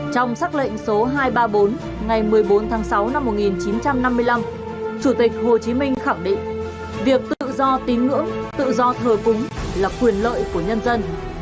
trong xác lệnh số hai trăm ba mươi bốn ngày một mươi bốn tháng sáu năm một nghìn chín trăm năm mươi năm chủ tịch hồ chí minh khẳng định việc tự do tín ngưỡng tự do thờ cúng là quyền lợi của nhân dân